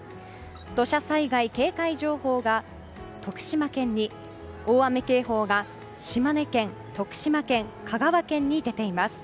土砂災害警戒情報が徳島県に大雨警報が島根県、徳島県、香川県に出ています。